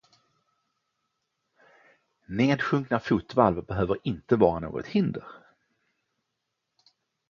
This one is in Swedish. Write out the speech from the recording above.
Nedsjunkna fotvalv behöver inte vara något hinder.